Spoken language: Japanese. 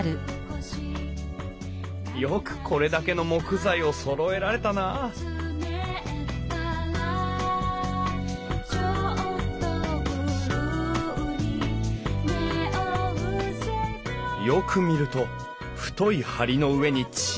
よくこれだけの木材をそろえられたなあよく見ると太い梁の上に小さな梁。